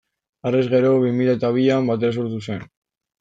Harrez gero, bi mila eta bian, Batera sortu zen.